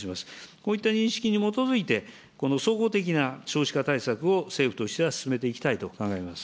こういった認識に基づいて、この総合的な少子化対策を政府としては進めていきたいと考えます。